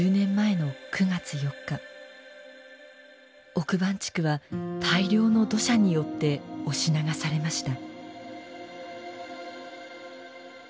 奥番地区は大量の土砂によって押し流されました。